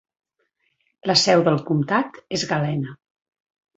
La seu del comtat és Galena.